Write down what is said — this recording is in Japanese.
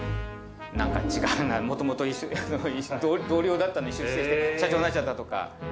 もともと同僚だったのに出世して社長になっちゃったとか。